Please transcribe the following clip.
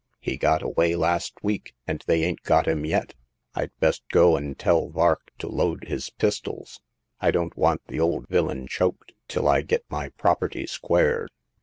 He got away last week, and they ain't got him yet. I'd best go and tell Vark to load his pistols. I don't want the old villain choked until I get my property square.